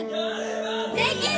できる！